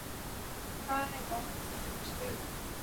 訓到十一點先起身